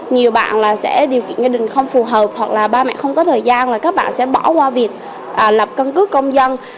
nhiều bạn sẽ điều kiện gia đình không phù hợp hoặc là ba mẹ không có thời gian mà các bạn sẽ bỏ qua việc lập căn cước công dân